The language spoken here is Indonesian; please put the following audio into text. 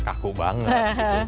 kaku banget gitu